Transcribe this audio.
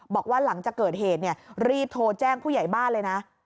บอกว่าหลังจากเกิดเหตุรีบโทรแจ้งผู้ใหญ่บ้านเลยนะ